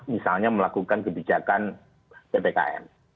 misalnya melakukan kebijakan ppkm